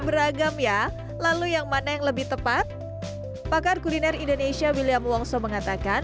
beragam ya lalu yang mana yang lebih tepat pakar kuliner indonesia william wongso mengatakan